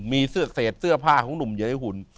มีเสื้อเศษเสื้อผ้าของหนุ่มอยู่ในหุ่น